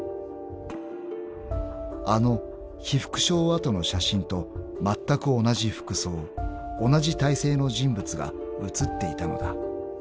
［あの被服廠跡の写真とまったく同じ服装同じ体勢の人物が写っていたのだ］